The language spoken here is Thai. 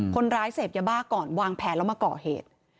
คนร้ายเสพยาบ้าก่อนวางแผนแล้วมาก่อเหตุ